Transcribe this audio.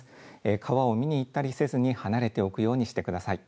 川を見に行ったりせずに離れておくようにしてください。